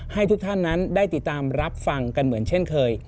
ให้ทุกท่านนั้นได้ติดตามรับฟังกันเหมือนเช่นเคย